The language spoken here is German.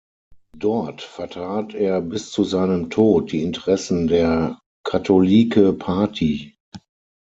Dort vertrat er bis zu seinem Tod die Interessen der "Katholieke Partij".